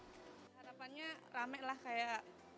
harapannya rame lah kayak